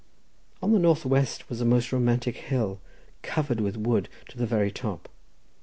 On the northwest was a most romantic hill covered with wood to the very top.